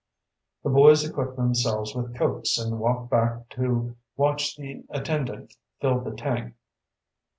The boys equipped themselves with Cokes and walked back to watch the attendant fill the tank.